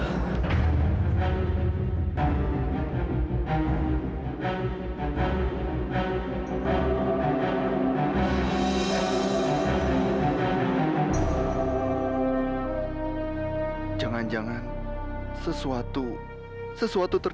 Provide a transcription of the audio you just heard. betul dan bayinya pun akan lahir prematur